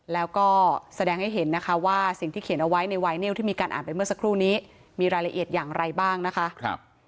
แล้วก็แสดงให้เห็นนะคะว่าสิ่งที่เขียนเอาไว้ในไวเนียลที่มีการอ่านไปเมื่อสักครู่นี้มีรายละเอียดอย่างไรบ้างนะคะ